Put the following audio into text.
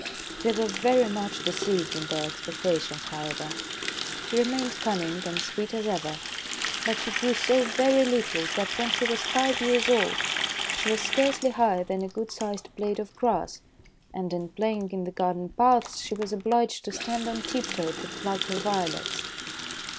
They were very much deceived in their expectations, how ever. She remained cunning and sweet as ever, but she grew so very little that, when she was five years old, she was scarcely higher than a good sized blade of grass ; and, in play ing in the garden paths, she was obliged to stand on tiptoe to pluck the violets.